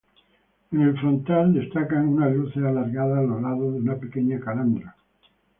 En el frontal destacan unas luces alargadas a los lados de una pequeña calandra.